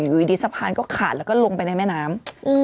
อยู่ดีสะพานก็ขาดแล้วก็ลงไปในแม่น้ำ